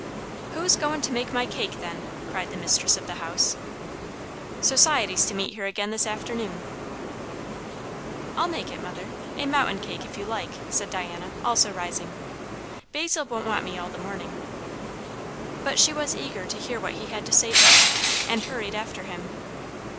"Who's goin' to make my cake, then?" cried the mistress of the house. "Society's to meet here again this afternoon." "I'll make it, mother a mountain cake, if you like," said Diana, also rising. "Basil won't want me all the morning." But she was eager to hear what he had to say to her, and hurried after him.